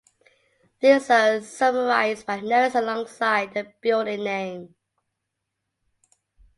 These are summarised by notes alongside the building name.